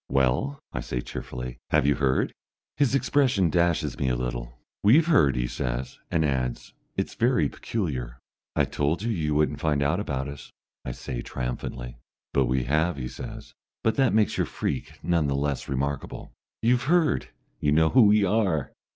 "Well?" I say, cheerfully, "have you heard?" His expression dashes me a little. "We've heard," he says, and adds, "it's very peculiar." "I told you you wouldn't find out about us," I say, triumphantly. "But we have," he says; "but that makes your freak none the less remarkable." "You've heard! You know who we are!